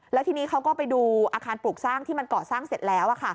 แล้วทีนี้เขาก็ไปดูอาคารปลูกสร้างที่มันก่อสร้างเสร็จแล้ว